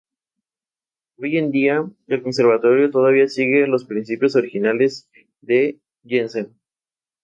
Hoy en día, el Conservatorio todavía sigue los principios originales de Jensen.